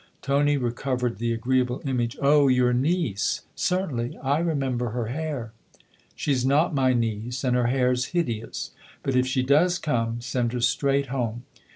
Tony recovered the agreeable image. " Oh, your niece ? Certainly I remember her hair." "She's not my niece, and her hair's hideous. But if she does come, send her straight home